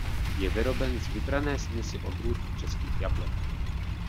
Je vyroben z vybrané směsi odrůd českých jablek.